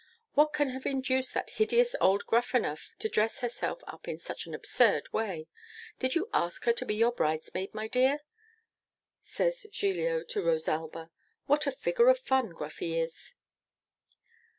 'What can have induced that hideous old Gruffanuff to dress herself up in such an absurd way? Did you ask her to be your bridesmaid, my dear?' says Giglio to Rosalba. 'What a figure of fun Gruffy is!